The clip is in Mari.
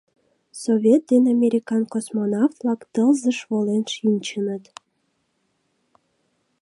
Совет ден американ космонавт-влак тылзыш волен шинчыныт.